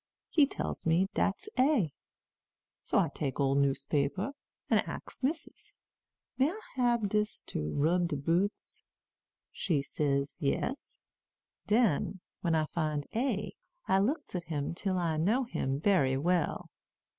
He tell me dat's A. So I take ole newspaper, an' ax missis, 'May I hab dis to rub de boots?' She say yes. Den, when I find A, I looks at him till I knows him bery well.